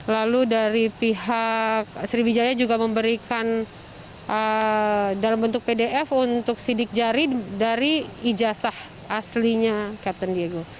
lalu dari pihak sriwijaya juga memberikan dalam bentuk pdf untuk sidik jari dari ijazah aslinya captain diego